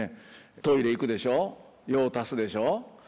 トイレ行くでしょ用足すでしょ